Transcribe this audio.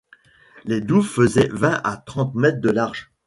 Les douves faisaient vingt à trente mètres de large.